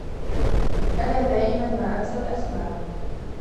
أنا دائما ما أنسى الأسماء.